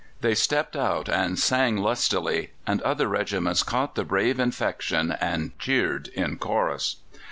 They stepped out and sang lustily, and other regiments caught the brave infection and cheered in chorus.